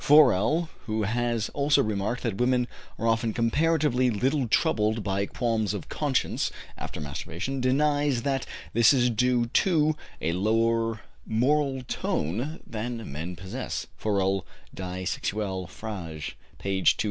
Forel, who has also remarked that women are often comparatively little troubled by qualms of conscience after masturbation, denies that this is due to a lower moral tone than men possess (Forel, Die Sexuelle Frage, p. 247).